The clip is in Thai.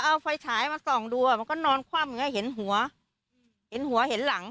เอาไฟฉายมาส่องดูอ่ะมันก็นอนคว่ำอย่างเงี้เห็นหัวเห็นหัวเห็นหลัง